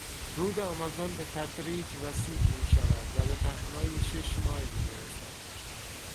رود آمازون به تدریج وسیع میشود و به پهنای شش مایل میرسد.